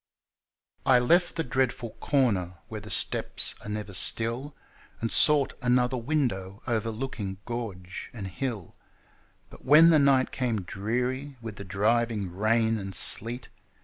I left the dreadful corner where the steps are never still, And sought another window overlooking gorge and hill ; But when the night came dreary with the driving rain and sleet.